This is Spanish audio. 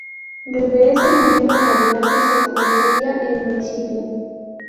Desde ese momento en adelante se convertiría en municipio.